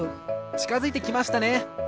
ちかづいてきましたね。